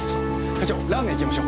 課長ラーメン行きましょう。